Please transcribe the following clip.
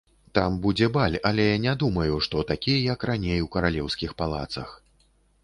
Там будзе баль, але не думаю, што такі, як раней у каралеўскіх палацах.